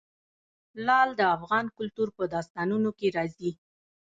لعل د افغان کلتور په داستانونو کې راځي.